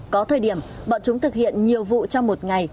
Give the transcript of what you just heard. có thời điểm bọn chúng thực hiện nhiều vụ trong một ngày